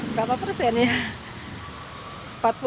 berapa persen ya